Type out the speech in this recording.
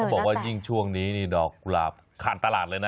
บอกว่ายิ่งช่วงนี้นี่ดอกกุหลาบขาดตลาดเลยนะ